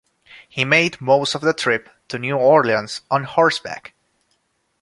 He made most of the trip to New Orleans on horseback.